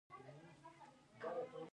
خوشحالي د زړه حال څنګه ښه کوي؟